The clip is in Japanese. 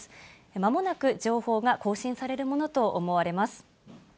まもなく情報が更新されるものと思われます。